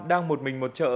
đang một mình một chợ